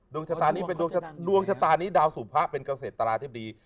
ดวงชะตานี้เป็นดวงชะตานี้ดาวสู่พระเป็นเกษตราธิบดี